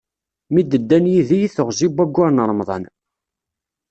Mi d-ddan yidi i teɣzi n wayyur n Remḍan.